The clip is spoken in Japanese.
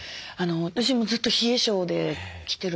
私もずっと冷え症で来てる。